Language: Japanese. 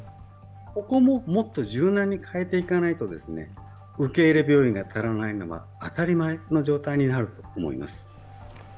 ここももっと柔軟に変えていかないと受け入れ病院が足りないのは当たり前の状態になると思います。